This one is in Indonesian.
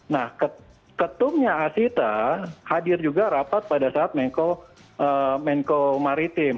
nah ketumnya asita hadir juga rapat pada saat menko maritim